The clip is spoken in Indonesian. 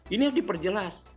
ini harus diperjelas